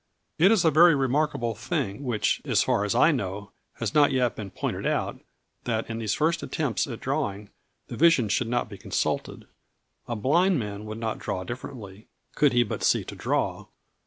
It is a very remarkable thing which, as far as I know, has not yet been pointed out, that in these first attempts at drawing the vision should not be consulted. A blind man would not draw differently, could he but see to draw.